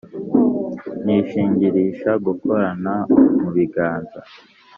ni shingirisha gukorana mu biganza